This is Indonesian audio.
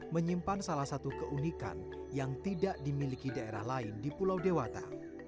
menyimpan salah satu keunikan yang tidak dimiliki daerah lain di pulau dewata